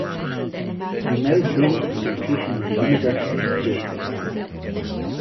Mainau Bay is the location of the university sailing club.